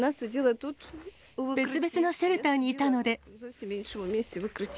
別々のシェルターにいたので。